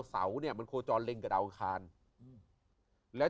เอามาแล้ว